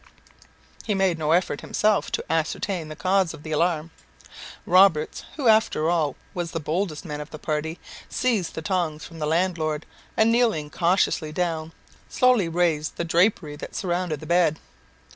He made no effort himself to ascertain the cause of the alarm. Roberts, who, after all, was the boldest man of the party, seized the tongs from the landlord, and, kneeling cautiously down, slowly raised the drapery that surrounded the bed.